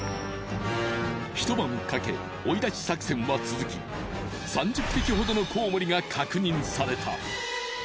一晩かけ追い出し作戦は続き３０匹ほどのコウモリが確認された。